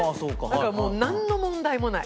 だからもうなんの問題もない。